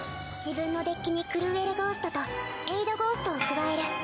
自分のデッキにクルーエルゴーストとエイドゴーストを加える。